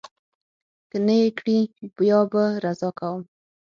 که نه یې کړي، بیا به رضا کوم.